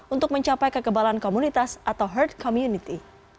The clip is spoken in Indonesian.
untuk mencapai kekebalan komunitas atau herd community